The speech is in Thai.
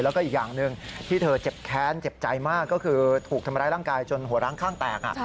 แล้วก็อีกอย่างหนึ่งที่เธอเจ็บแค้นเจ็บใจมากก็คือถูกทำร้ายร่างกายจนหัวร้างข้างแตก